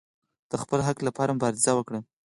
د خپل حق لپاره مبارزه وکړئ